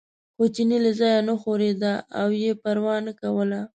خو چیني له ځایه نه ښورېده او یې پروا نه کوله.